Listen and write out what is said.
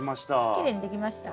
きれいに出来ました？